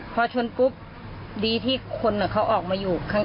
พอชนปุ๊บดีที่คนเขาออกมาอยู่ข้าง